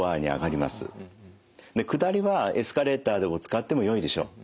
下りはエスカレーターでも使ってもよいでしょう。